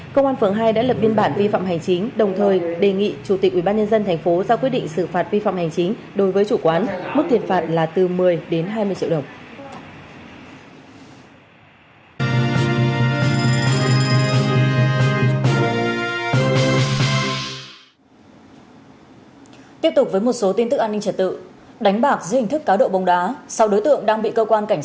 công an phường hai đã lập biên bản vi phạm hành chính đồng thời đề nghị chủ tịch ubnd thành phố ra quyết định xử phạt vi phạm hành chính đối với chủ quán